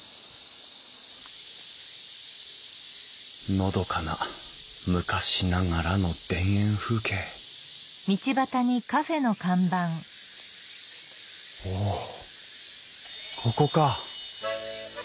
のどかな昔ながらの田園風景おっここか。